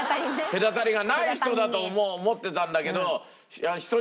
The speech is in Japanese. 隔たりがない人だと思ってたんだけど。